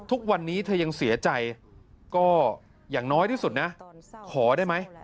ทุกวันนี้เธอยังเสียใจก็อย่างน้อยที่สุดนะขอได้ไหม